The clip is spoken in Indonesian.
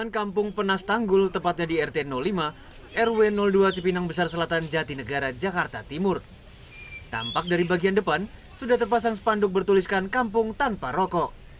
kampung tanpa rokok